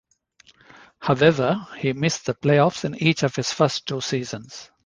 However, he missed the playoffs in each of his first two seasons.